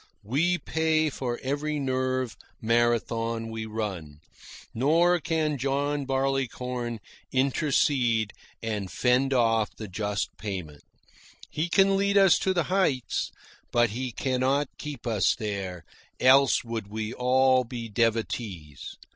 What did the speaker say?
We pay for every nerve marathon we run, nor can John Barleycorn intercede and fend off the just payment. He can lead us to the heights, but he cannot keep us there, else would we all be devotees.